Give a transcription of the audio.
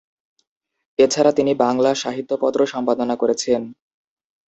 এছাড়া তিনি "বাঙলা সাহিত্য পত্র" সম্পাদনা করেছেন।